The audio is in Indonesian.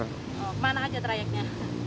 kemana aja trayeknya